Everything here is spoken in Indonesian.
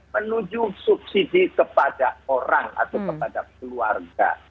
menuju subsidi kepada orang atau kepada keluarga